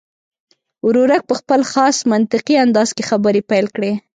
ورورک په خپل خاص منطقي انداز کې خبرې پیل کړې.